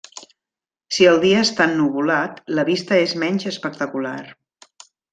Si el dia està ennuvolat, la vista és menys espectacular.